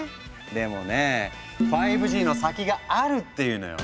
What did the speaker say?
でもね５Ｇの先があるっていうのよ。